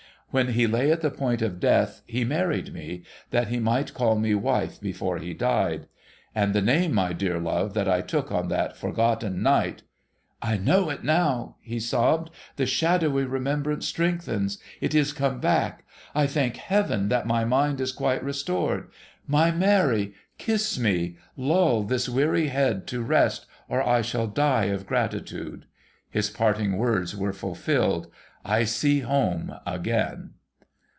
When he lay at the point of death, he married me, that he might call me Wife before he died. And the name, my dear love, that I took on that forgotten night '' I know it now !' he sobbed. ' The shadowy remembrance strengthens. It is come back. I thank Heaven that my mind is quite restored ! My Mary, kiss me ; lull this weary head to rest, or I shall die of gratitude. His parting words were fulfilled. I see Home again